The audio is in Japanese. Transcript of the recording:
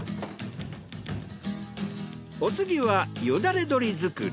お次はよだれ鶏作り。